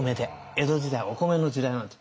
江戸時代お米の時代なんです。